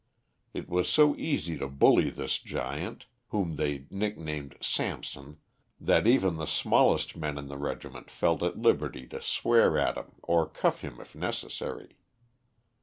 It was so easy to bully this giant, whom they nicknamed Samson, that even the smallest men in the regiment felt at liberty to swear at him or cuff him if necessary.